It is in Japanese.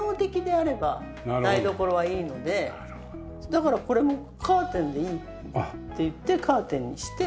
だからこれもカーテンでいいって言ってカーテンにして。